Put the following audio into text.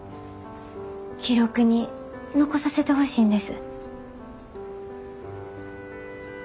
記録に残させてほしいんです。